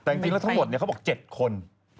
แต่จริงแล้วทั้งหมดเขาบอก๗คน